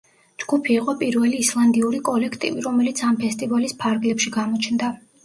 ჯგუფი იყო პირველი ისლანდიური კოლექტივი, რომელიც ამ ფესტივალის ფარგლებში გამოჩნდა.